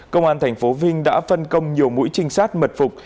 công an tp vinh đã phân công nhiều mũi trinh sát mật phục